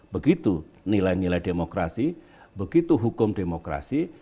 begitu nilai nilai demokrasi begitu hukum demokrasi